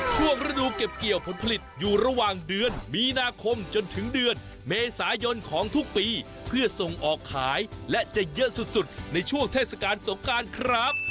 ช่วงฤดูเก็บเกี่ยวผลผลิตอยู่ระหว่างเดือนมีนาคมจนถึงเดือนเมษายนของทุกปีเพื่อส่งออกขายและจะเยอะสุดในช่วงเทศกาลสงการครับ